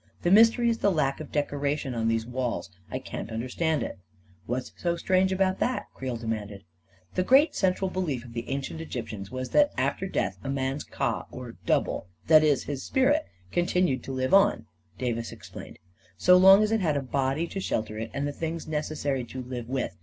"The mystery is the lack of decoration on these walls. I can't under stand it." "What's so strange about that?" Creel de manded. " The great central belief of the ancient Egyp tians was that, after death, a man's Ka or double — that is, his spirit — continued to live on," Davis ex plained, " so long as it had a body to shelter it and the things necessary to live with.